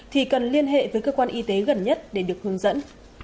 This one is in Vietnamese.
thì cần liên hệ với cơ quan y tế gần nhất để được hướng dẫn